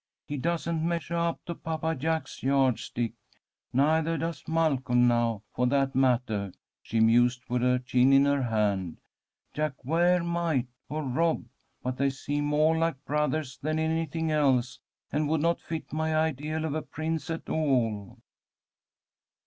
"He doesn't measuah up to Papa Jack's yardstick. Neithah does Malcolm now, for that mattah," she mused, with her chin in her hand. "Jack Ware might, or Rob, but they seem moah like brothahs than anything else, and would not fit my ideal of a prince at all."